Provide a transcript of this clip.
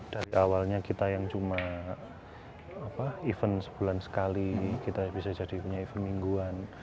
dari awalnya kita yang cuma acara sebulan sekali kita bisa jadi acara semingguan